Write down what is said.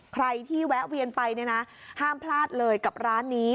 ใครที่แวะเวียนไปเนี่ยนะห้ามพลาดเลยกับร้านนี้